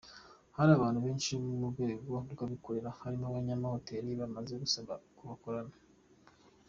Hari abantu benshi bo mu rwego rw’abikorera barimo abanyamahoteli bamaze gusaba ko bakorana.